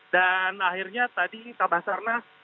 dan akhirnya tadi tabasarna